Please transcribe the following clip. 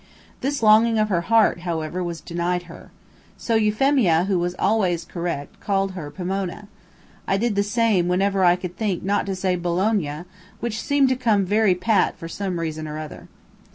This longing of her heart, however, was denied her. So Euphemia, who was always correct, called her Pomona. I did the same whenever I could think not to say Bologna which seemed to come very pat for some reason or other.